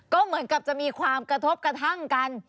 ก็เหมือนกับจะมีความกระทบกระทั่งกัน